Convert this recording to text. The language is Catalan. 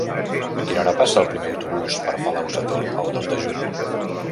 A quina hora passa el primer autobús per Palau-sator el dos de juny?